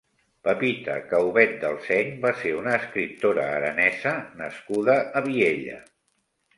Pepita Caubet Delseny va ser una escriptora aranesa nascuda a Viella.